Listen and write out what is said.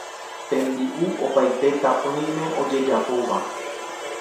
Tembi'u opaite tapỹime ojejapóva